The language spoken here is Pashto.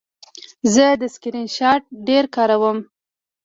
زه د سکرین شاټ ډېر کاروم.